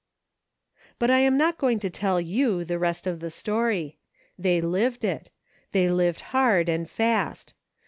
But I am not going to tell you the rest of the story. They lived it ; they lived hard and fast.